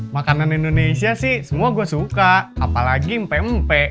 makanan indonesia sih semua gue suka apalagi mpe mpe